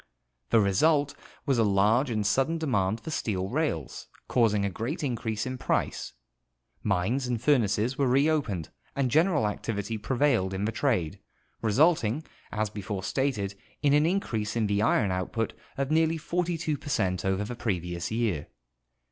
The result was a large and sudden demand for steel rails, causing a great increase in price ; mines and furnaces were reopened, and general activity prevailed in the trade, resulting, as before stated, in an increase in the iron output of nearly 42 per cent over the previous year.